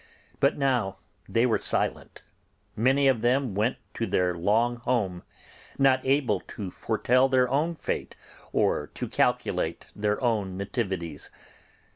But now they were silent; many of them went to their long home, not able to foretell their own fate or to calculate their own nativities.